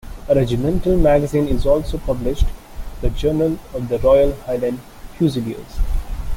A regimental magazine is also published, "The Journal of the Royal Highland Fusiliers".